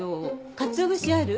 かつお節ある？